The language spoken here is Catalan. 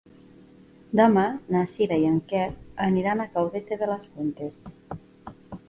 Demà na Sira i en Quer aniran a Caudete de las Fuentes.